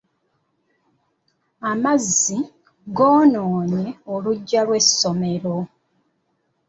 Amazzi goonoonye oluggya lw'essomero.